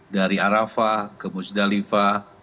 dari arafah ke muzdalifah